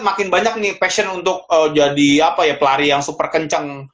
makin banyak nih passion untuk jadi apa ya pelari yang super kenceng